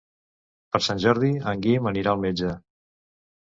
Per Sant Jordi en Guim anirà al metge.